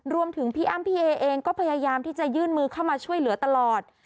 พี่อ้ำพี่เอเองก็พยายามที่จะยื่นมือเข้ามาช่วยเหลือตลอด